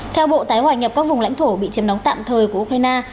theo bộ tái hỏa nhập các vùng lãnh thổ bị chiếm nóng tạm thời của ukraine